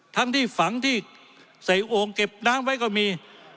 ทั้งที่ฝังที่ใส่โอ่งเก็บน้ำไว้ก็มี